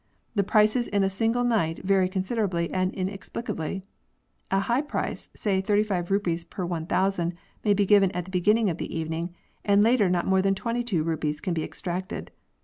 The prices in a single night vary considerably and inexplicably ; a high price, say 35 rupees per 1000, may be given at the beginning of the evening, and later not more than 22 rupees can be extracted.